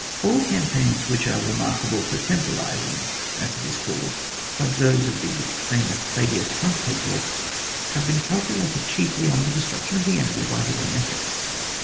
All campaigns which are remarkable for temporising, as it is called, like those of ihe famous Fabius Gunctator, haye been calculated chiefly on the destruction of the enemy by his own efforts.